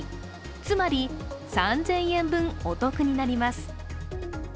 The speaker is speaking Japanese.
つまり３０００円分お得になります。